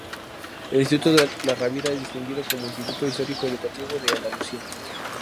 El Instituto La Rábida es distinguido como Instituto Histórico Educativo de Andalucía.